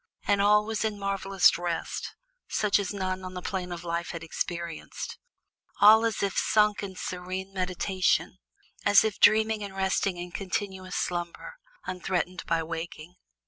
And all was in marvellous rest, such as none on the Plain of Life had experienced; all was as if sunk in serene meditation, as if dreaming and resting in continuous slumber, unthreatened by waking.